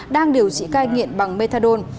đang điều trị cai nghiện bằng methadone